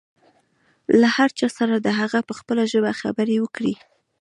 له هر چا سره د هغه په خپله ژبه خبرې وکړئ.